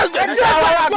eh jadi salah lagi